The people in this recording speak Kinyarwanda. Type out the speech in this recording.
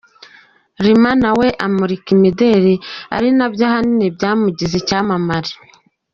Lima na we amurika imideli, ari na byo ahanini byamugize icyampamare.